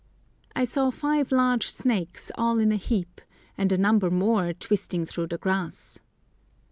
I saw five large snakes all in a heap, and a number more twisting through the grass.